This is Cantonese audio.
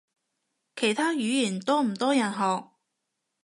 其他語言多唔多人學？